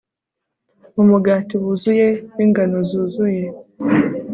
mu mugati wuzuye wingano zuzuye